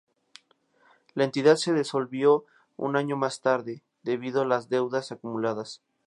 La entidad se disolvió un año más tarde, debido a las deudas acumuladas.